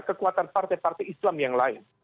kekuatan partai partai islam yang lain